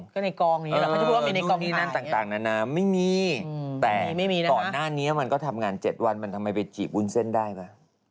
ก็หนิกองนี้อ่ะคุณพี่ลูกที่นั่นต่างนานาไม่มีแต่ก่อนหน้านี้ก็ทำงาน๗วันทำไมไปจีบอุ้นเซ่นได้บะ